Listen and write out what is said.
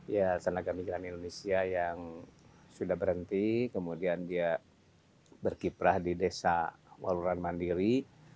ya tenaga migran indonesia yang sudah berhenti kemudian dia berkiprah di desa waluran mandiri